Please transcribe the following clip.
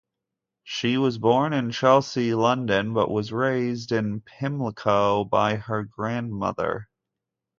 She was born in Chelsea, London, but was raised in Pimlico by her grandmother.